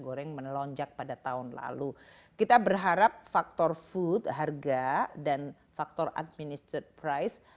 goreng melonjak pada tahun lalu kita berharap faktor food harga dan faktor administrad price